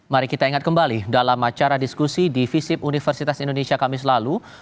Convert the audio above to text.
mari kita ingat kembali dalam acara diskusi di visip universitas indonesia kamis lalu